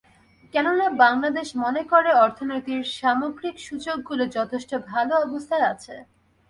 কেননা বাংলাদেশ মনে করে অর্থনীতির সামগ্রিক সূচকগুলো যথেষ্ট ভালো অবস্থায় আছে।